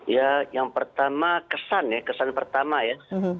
ya yang pertama kesan ya kesan pertama ya